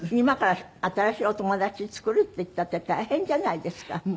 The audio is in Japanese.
今から新しいお友達作るっていったって大変じゃないですか。